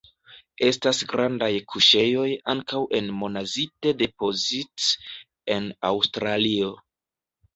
Estas grandaj kuŝejoj ankaŭ en monazite deposits en Aŭstralio.